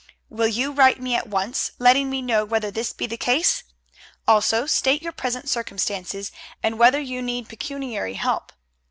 Will you write me at once, letting me know whether this be the case? Also state your present circumstances, and whether you need pecuniary help.